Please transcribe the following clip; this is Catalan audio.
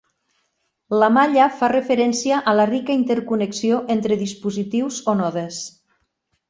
La malla fa referència a la rica interconnexió entre dispositius o nodes.